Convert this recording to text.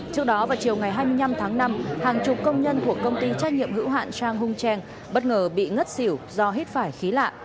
trước đó vào chiều ngày hai mươi năm tháng năm hàng chục công nhân của công ty trách nhiệm hữu hạn chang hung trang bất ngờ bị ngất xỉu do hít phải khí lạ